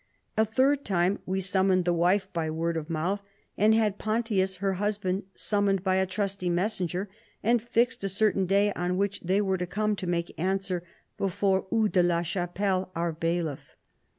A third time we summoned the wife by word of mouth, and had Pontius her husband summoned by a trusty messenger, and fixed a certain day on which they were to come to make answer before Hugh de la Chapelle, our bailiff.